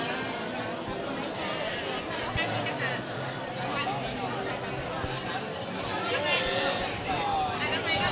อารมณ์เป็นบุหริงข้ำแบบโน้ทแบบหัวเท้า